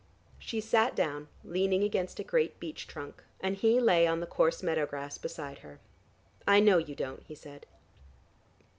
She sat down, leaning against a great beech trunk, and he lay on the coarse meadow grass beside her. "I know you don't," he said.